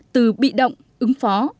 từ bị động ứng phó